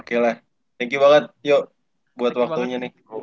oke lah thank you banget yuk buat waktunya nih